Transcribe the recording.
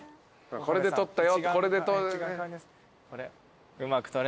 これで撮ったよ。